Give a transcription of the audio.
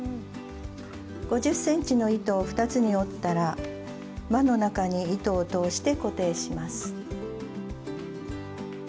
５０ｃｍの糸を２つに折ったら輪の中に糸を通して固定します。